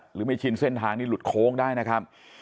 ไม่ชินเส้นทางนี้หลุดโค้งได้นะครับ